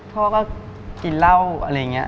เพราะว่าพ่อกินเหล้าอะไรอย่างเนี่ย